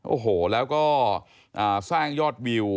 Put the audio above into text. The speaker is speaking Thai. โอ้โหแล้วก็สร้างยอดวิว